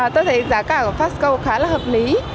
tôi thấy giá cả ở fastgo khá là hợp lý